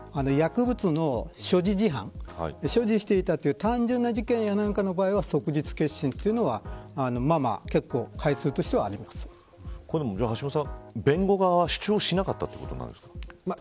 薬物の所持事犯所持していたという単純な事件やなんかの場合は即日結審というのは橋下さん、弁護側は主張しなかったということなんですか。